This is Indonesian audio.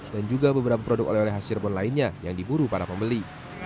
dan juga beberapa produk oleh oleh cirebon lainnya yang diburu para pembeli